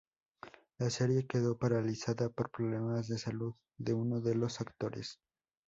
La serie quedó paralizada por problemas de salud de uno de los actores.